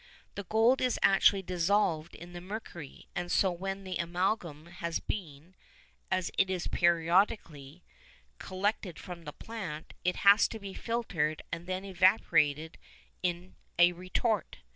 The gold is actually dissolved in the mercury, and so when the amalgam has been (as it is periodically) collected from the plant, it has to be filtered and then evaporated in a retort.